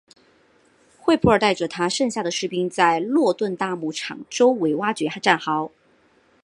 惠普尔带着他剩下的士兵们在诺顿大牧场周围挖掘战壕。